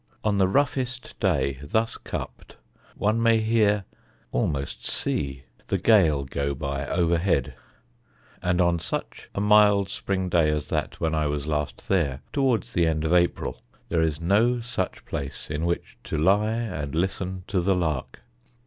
On the roughest day, thus cupped, one may hear, almost see, the gale go by overhead; and on such a mild spring day as that when I was last there, towards the end of April, there is no such place in which to lie and listen to the lark.